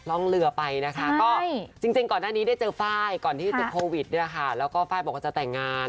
ร่องเรือไปนะคะก็จริงก่อนหน้านี้ได้เจอไฟล์ก่อนที่ติดโควิดเนี่ยค่ะแล้วก็ไฟล์บอกว่าจะแต่งงาน